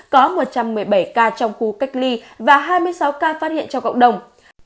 có một trăm một mươi bảy ca trong khu cách ly và hai mươi sáu ca phát hiện trong cộng đồng